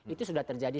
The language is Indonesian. itu sudah terjadi